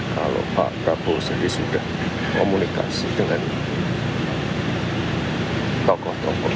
kalau pak prabowo sendiri sudah komunikasi dengan tokoh tokoh